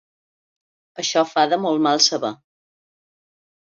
Això fa de molt mal saber.